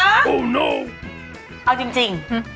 เอาจริง